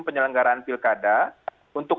penyelenggaraan pilkada untuk